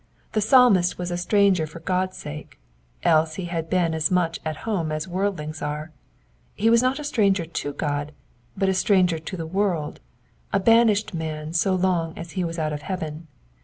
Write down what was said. The psalmist was a stranger for Ck>d's sake, else had ho been as much at home as worldlings are : he was not <a stranger to God, but a stranger to the world, a banished man so long as ^e was out of heaven.